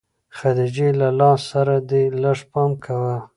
خديجې له لاس سره دې لږ پام کوه.